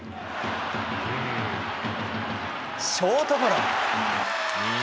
ショートゴロ。